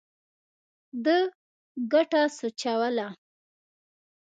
ده ګټه سوچوله.